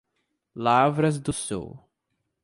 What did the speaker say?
Lavras do Sul